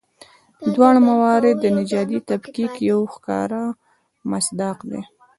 دواړه موارد د نژادي تفکیک یو ښکاره مصداق دي.